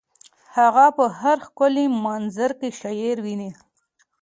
هغه په هر ښکلي منظر کې شعر ویني